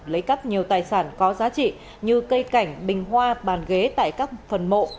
lấy cắp nhiều tài sản có giá trị như cây cảnh bình hoa bàn ghế tại các phần mộ